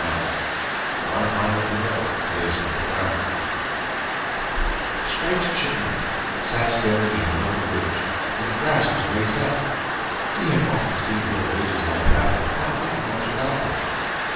IX WHY MINER THE MOLE LIVES UNDER GROUND Striped Chipmunk sat staring at a little ridge where the grass was raised up. He had often seen little ridges like that without thinking much about them.